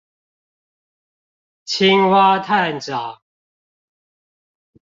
青蛙探長